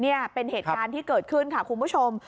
นี่เป็นเหตุการณ์ที่เกิดขึ้นค่ะคุณผู้ชม